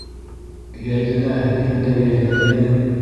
Йәйгенәһен һиндә йәйләгәйнем